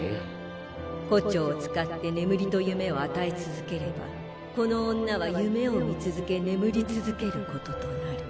胡蝶を使って眠りと夢を与え続ければこの女は夢を見続け眠り続けることとなる。